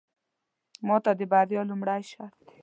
ماته د بريا لومړې شرط دی.